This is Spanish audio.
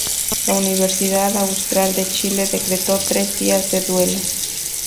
La Universidad Austral de Chile decretó tres días de duelo.